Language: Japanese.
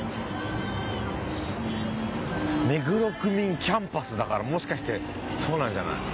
めぐろ区民キャンパスだからもしかしてそうなんじゃない？